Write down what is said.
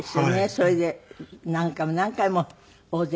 それで何回も何回も大関。